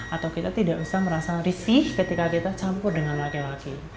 atau kita tidak usah merasa risih ketika kita campur dengan laki laki